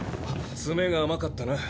詰めが甘かったな。